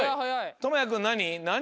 ともやくんなに？